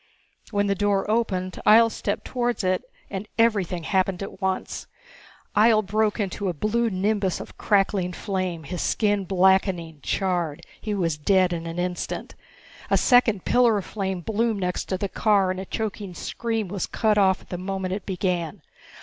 When the door opened Ihjel stepped towards it and everything happened at once. Ihjel broke into a blue nimbus of crackling flame, his skin blackening, charred. He was dead in an instant. A second pillar of flame bloomed next to the car, and a choking scream was cut off at the moment it began.